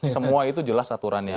semua itu jelas aturannya